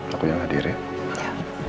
aku yang hadirin